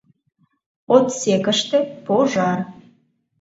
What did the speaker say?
Отсекыште — пожар!